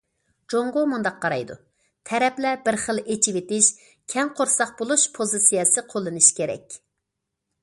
جۇڭگو مۇنداق قارايدۇ: تەرەپلەر بىر خىل ئېچىۋېتىش، كەڭ قورساق بولۇش پوزىتسىيەسى قوللىنىش كېرەك.